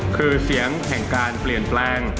คือเสียงแห่งการเปลี่ยนแปลง